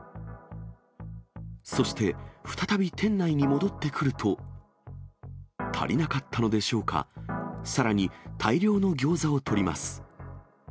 そして、再び店内に戻ってくると、足りなかったのでしょうか、さらに大量のギョーザを取ります。